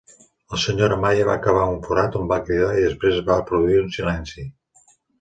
La Sra. Amaya va cavar un forat on va cridar i després es va produir un silenci.